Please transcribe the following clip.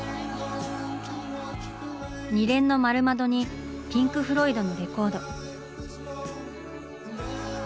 二連の丸窓にピンク・フロイドのレコード。